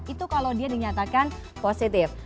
itu kalau dia dinyatakan positif